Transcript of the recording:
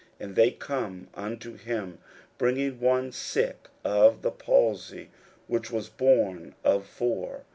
41:002:003 And they come unto him, bringing one sick of the palsy, which was borne of four.